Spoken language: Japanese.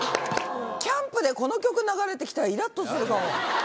キャンプでこの曲流れてきたらイラっとするかも。